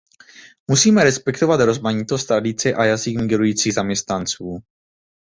Musíme respektovat rozmanitost, tradice a jazyk migrujících zaměstnanců.